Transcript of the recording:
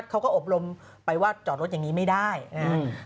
อบรมไปว่าจอดรถอย่างนี้ไม่ได้นะครับ